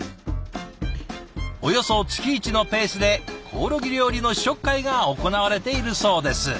およそ月１のペースでコオロギ料理の試食会が行われているそうです。